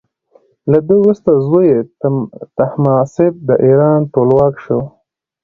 له ده وروسته زوی یې تهماسب د ایران ټولواک شو.